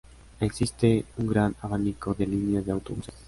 Existe un gran abanico de líneas de autobuses.